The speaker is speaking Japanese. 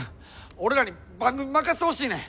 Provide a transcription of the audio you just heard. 俺らに番組任してほしいねん。